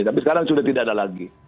tapi sekarang sudah tidak ada lagi